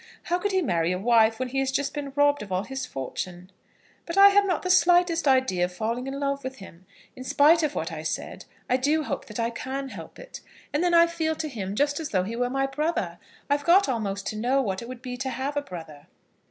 How could he marry a wife when he has just been robbed of all his fortune?" "But I have not the slightest idea of falling in love with him. In spite of what I said, I do hope that I can help it. And then I feel to him just as though he were my brother. I've got almost to know what it would be to have a brother."